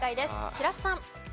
白洲さん。